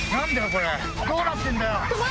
これどうなってんだよ